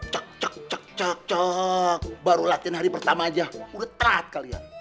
cak cak cak cak cak baru latihan hari pertama aja udah telat kalian